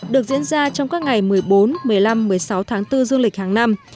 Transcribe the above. được diễn ra trong các ngày một mươi bốn một mươi năm một mươi sáu tháng bốn dương lịch hàng năm